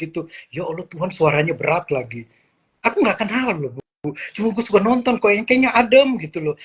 itu ya allah tuhan suaranya berat lagi aku nggak kenal loh cuma gue suka nonton kok yang kayaknya adem gitu loh